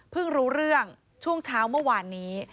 รู้เรื่องช่วงเช้าเมื่อวานนี้